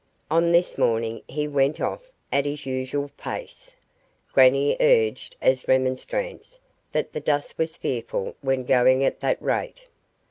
On this morning he went off at his usual pace. Grannie urged as remonstrance that the dust was fearful when going at that rate.